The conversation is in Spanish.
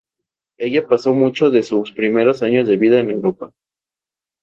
Ella pasó muchos de sus primeros años de vida en Europa.